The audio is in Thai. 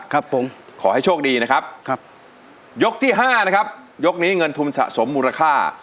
ครับผมขอให้โชคดีนะครับครับยกที่ห้านะครับยกนี้เงินทุนสะสมมูลค่า